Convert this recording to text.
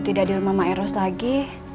tidak di rumah maeros lagi